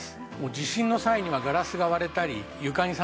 地震の際にはガラスが割れたり床に散乱してですね